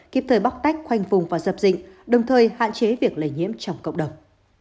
kịp thời bóc tách khoanh vùng và dập dịch đồng thời hạn chế việc lây nhiễm trong cộng đồng